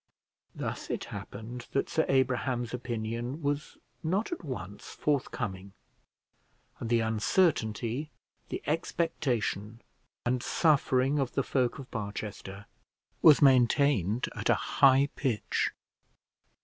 Thus it happened that Sir Abraham's opinion was not at once forthcoming, and the uncertainty, the expectation, and suffering of the folk of Barchester was maintained at a high pitch.